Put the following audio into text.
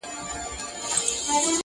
سل توپکه به په یو کتاب سودا کړو.